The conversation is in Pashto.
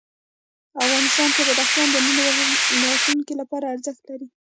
افغانستان کې بدخشان د نن او راتلونکي لپاره ارزښت لري.